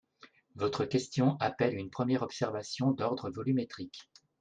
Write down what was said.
Votre question appelle une première observation d’ordre volumétrique.